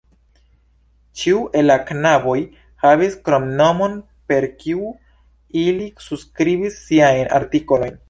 Ĉiu el la knaboj havis kromnomon, per kiu ili subskribis siajn artikolojn.